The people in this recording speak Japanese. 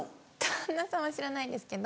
旦那さんは知らないですけど。